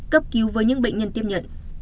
cấp cứu với những bệnh nhân tiếp nhận